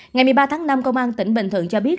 ngày một mươi ba tháng năm công an tỉnh bình thuận cho biết